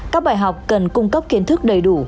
các bài học cần cung cấp kiến thức đầy đủ